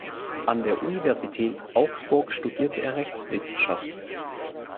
An der Universität Augsburg studierte er Rechtswissenschaft.